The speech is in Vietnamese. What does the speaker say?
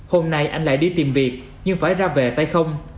hôm nay anh lại đi tìm việc nhưng phải ra về tay không